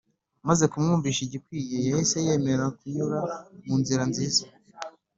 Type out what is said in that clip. Maze kumwumvisha igikwiye yahise yemera kunyura mu nzira nziza